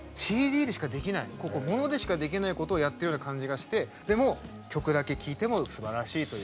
ＣＤでしかできないことをやっているような感じがしてでも、曲だけ聴いてもすばらしいという。